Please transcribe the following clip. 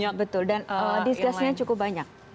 betul betul dan disgasnya cukup banyak